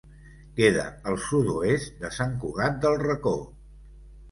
Queda al sud-oest de Sant Cugat del Racó.